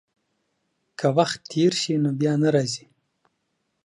که وخت تېر سي، نو بيا نه راګرځي.